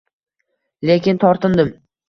Lekin tortindim.